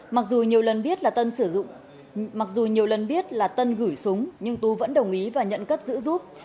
mặc dù nhiều lần biết là tân gửi súng nhưng tú vẫn đồng ý và nhận cất giữ giúp